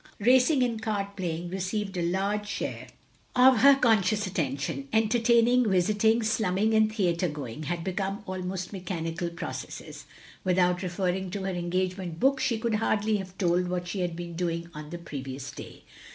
Racing and card playing received a large share 96 THE LONELY LADY of her consciotis attention. Entertaining, visit ing, slumming, and theatre going, had become almost mechanical processes. Without referring to her engagement book she could hardly have told what she had been doing on the previous day.